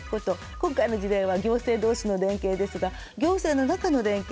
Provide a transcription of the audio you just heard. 今回の事例は行政同士の連携ですが行政の中の連携。